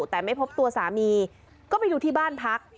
แต่ไม่พบตัวสามีก็ไปดูที่บ้านพัก